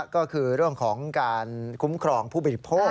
ก็คือเรื่องของการคุ้มครองผู้บริโภค